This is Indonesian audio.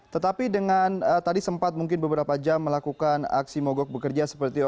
tetapi dengan tadi sempat mungkin beberapa jam melakukan aksi mogok bekerja seperti itu